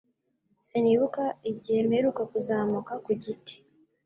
Sinibuka igihe mperuka kuzamuka ku giti